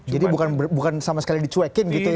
jadi bukan sama sekali dicuekin ya mas arief